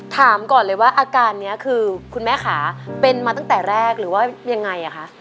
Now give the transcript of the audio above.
ถามก่อนเลยว่าอาการนี้คือคุณแม่ขาเป็นมาตั้งแต่แรกหรือว่ายังไงคะ